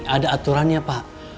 ada aturannya pak